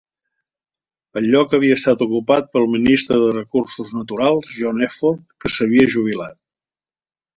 El lloc havia estat ocupat pel ministre de Recursos Naturals John Efford, que s'havia jubilat.